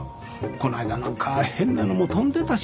こないだなんか変なのも飛んでたし。